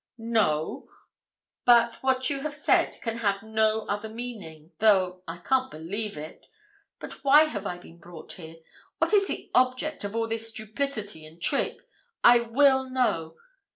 'No; but what you have said can have no other meaning, though I can't believe it. And why have I been brought here? What is the object of all this duplicity and trick. I will know.